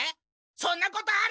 そんなことある！